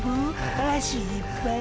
脚いっぱい？